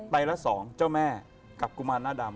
ใต้ละ๒เจ้าม่ากับกุมารน่าดำ